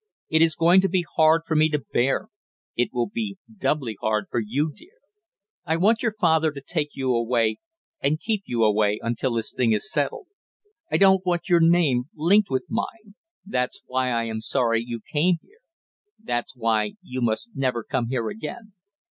It is going to be hard for me to bear, it will be doubly hard for you, dear. I want your father to take you away and keep you away until this thing is settled. I don't want your name linked with mine; that's why I am sorry you came here, that's why you must never come here again."